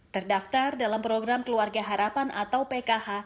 terdaftar dalam program keluarga harapan atau pkh